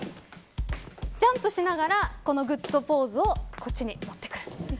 ジャンプしながらグッドポーズをこっちに持ってくる。